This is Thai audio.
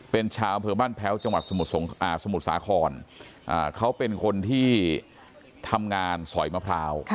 เป็นชาวเผื่อบ้านแพ้วจังหวัดสมุทรสมุทรสาครอ่าเขาเป็นคนที่ทำงานสอยมะพร้าวค่ะ